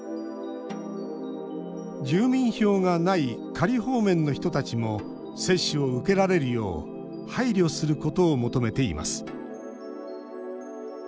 住民票がない仮放免の人たちも接種を受けられるよう配慮することを求めています。